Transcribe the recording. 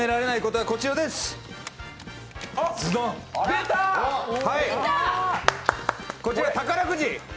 はい、こちら、宝くじ。